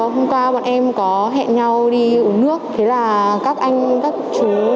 hôm qua bọn em có hẹn nhau đi uống nước thế là các anh các chú